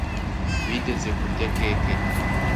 Wigeze kurya keke?